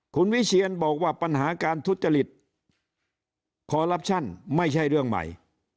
คุณวิเชียนบอกว่าปัญหาการทุจริตคอลลับชั่นไม่ใช่เรื่องใหม่